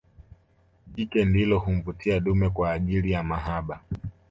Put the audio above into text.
Jike ndilo humvutia dume kwaajili ya mahaba